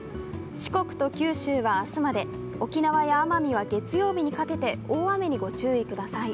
四国と九州は明日まで、沖縄や奄美は月曜日にかけて大雨にご注意ください。